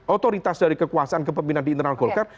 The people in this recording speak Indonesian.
otoritas dari kekuasaan kepemimpinan di internal golkar